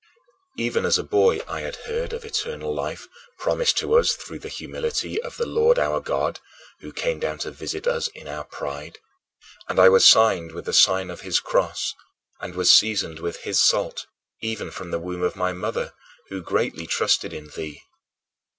Even as a boy I had heard of eternal life promised to us through the humility of the Lord our God, who came down to visit us in our pride, and I was signed with the sign of his cross, and was seasoned with his salt even from the womb of my mother, who greatly trusted in thee.